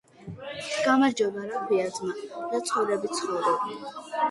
გამარჯობა რა ქვია ძმა რა ცხოვრებით ცხოვრობ